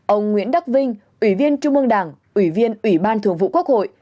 ông nguyễn đắc vinh ủy viên trung ương đảng ủy viên ủy ban thường vụ quốc hội